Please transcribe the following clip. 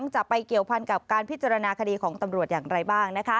จะไปเกี่ยวพันกับการพิจารณาคดีของตำรวจอย่างไรบ้าง